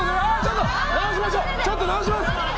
ちょっと直します！